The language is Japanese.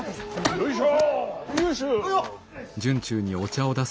よいしょ！